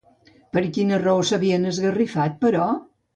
Per quina raó s'havien esgarrifat, però?